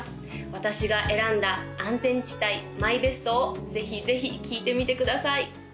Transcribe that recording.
私が選んだ安全地帯ＭＹＢＥＳＴをぜひぜひ聴いてみてください